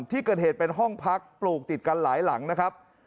ที่เกิดเหตุเป็นห้องพักปลูกติดกันหลายหลังนะครับ